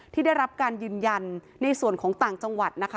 ที่ได้รับการยืนยันในส่วนของต่างจังหวัดนะคะ